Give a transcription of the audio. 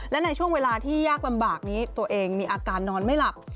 และในช่วงเวลาที่ยากลำบากนี้ตัวเองมีอาการนอนไม่หลับ